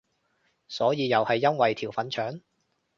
所以又係因為條粉腸？